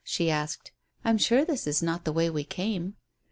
she asked. "I am sure this is not the way we came."